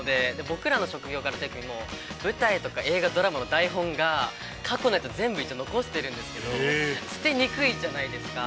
僕らの職業柄とかでも舞台とか映画、ドラマの台本が過去のやつ、全部一応残してるんですけど、捨てにくいじゃないですか。